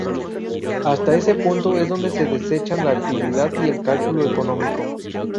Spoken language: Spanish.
Hasta ese punto es donde se desechan la actividad y el cálculo económico.